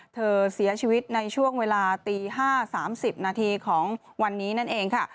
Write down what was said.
เธอเสียชีวิตในช่วงเวลาตี๕๓๐นาทีของวันนี้นั่นเองค่ะ